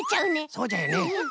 そうじゃよね！